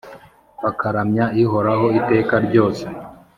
bakaramya Ihoraho iteka ryose,